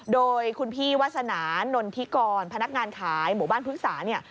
โดยคุณพี่วาสนานนทิกรพนักงานขายหมู่บ้านพฤกษาเนี่ย